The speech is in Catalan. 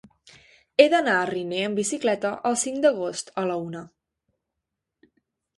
He d'anar a Riner amb bicicleta el cinc d'agost a la una.